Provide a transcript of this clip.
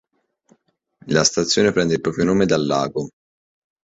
La stazione prende il proprio nome dal lago.